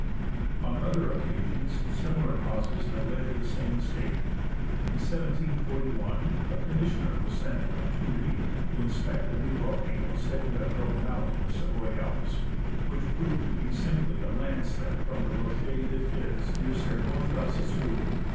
On other occasions similar causes have led to the same mistake. In 1741 a commissioner was sent from Turin to inspect a new volcano said to have broken out in the Savoy Alps, and which proved to be simply a landslip from the Rochers de Fyz, near Servoz (De Saussure).